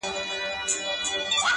کلي ته ولاړم هر يو يار راڅخه مخ واړوئ,